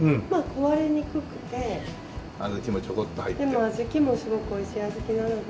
でも小豆もすごくおいしい小豆なので。